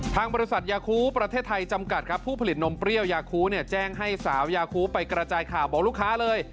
ทางบริษัทยาคูประเทศไทยจำกัดครับผู้ผลิตนมเปรี้ยวยาคูเนี่ยแจ้งให้สาวยาคูไปกระจายข่าวบอกลูกค้าเลย